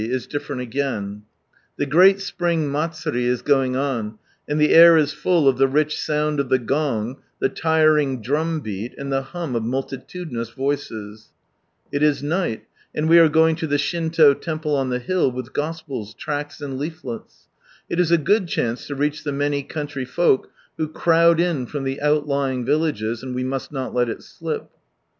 s different again, uri is going on, and the air is full of the rich sound of the md the hum of multitudinous voices, ire going to the Shinto temple on the hiil with Gospels, tracts, and leaflets. It is a good chance to reach the many country folk, who crowd in from the outlying villages, and we must not let it slip.